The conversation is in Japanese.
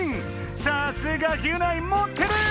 さすがギュナイもってる！